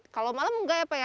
kalau malam enggak ya pak ya